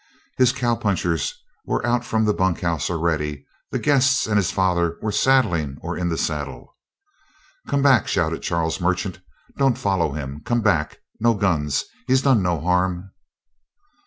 His cow punchers were out from the bunk house already; the guests and his father were saddling or in the saddle. "Come back!" shouted Charles Merchant. "Don't follow him. Come back! No guns. He's done no harm."